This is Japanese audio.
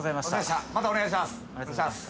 またお願いします。